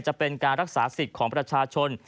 จะเป็นการรักษาสิทธิ์ของประชาชน